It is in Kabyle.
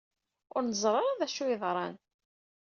Ur neẓri ara d acu ay yeḍran.